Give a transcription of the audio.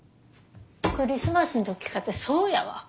クリスマスの時かてそうやわ。